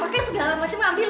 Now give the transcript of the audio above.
kayak segala macam ambil